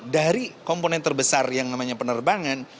dari komponen terbesar yang namanya penerbangan